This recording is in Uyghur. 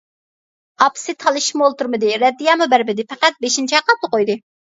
ئاپىسى تالىشىپمۇ ئولتۇرمىدى، رەددىيەمۇ بەرمىدى، پەقەت بېشىنى چايقاپلا قويدى.